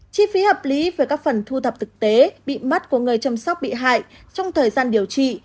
chi phí hợp lý về các phần thu thập thực tế bị mắt của người chăm sóc bị hại trong thời gian điều trị